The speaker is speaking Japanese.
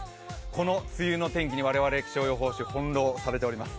この梅雨の天気に、我々、気象予報士翻弄されています。